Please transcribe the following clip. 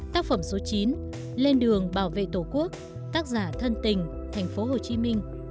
tác phẩm số chín lên đường bảo vệ tổ quốc tác giả thân tình tp hcm